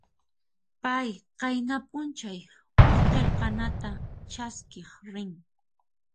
Pay qayna p'unchay huk qillqanata chaskiq rin.